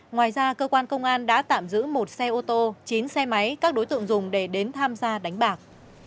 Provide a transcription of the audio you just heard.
ngoài ra cơ quan công an đã tạm giữ một xe ô tô chín xe máy các đối tượng dùng để đến tham gia đánh bạc